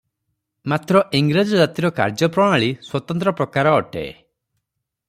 ମାତ୍ର ଇଂରେଜ ଜାତିର କାର୍ଯ୍ୟପ୍ରଣାଳୀ ସ୍ୱତନ୍ତ୍ର ପ୍ରକାର ଅଟେ ।